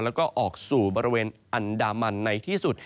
แล้วก็ออกสู่บริเวณอันดามันในที่สุด